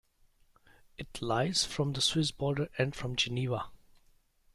It lies from the Swiss border and from Geneva.